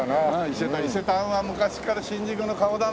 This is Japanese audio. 伊勢丹は昔から新宿の顔だな